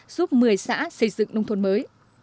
giúp một mươi xã xây dựng nông thôn mới